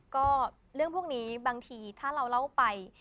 ก็เรื่องพวกนี้บางทีถ้าเราเล่าไป